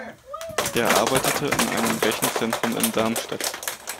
Er arbeitete in einem Rechenzentrum in Darmstadt.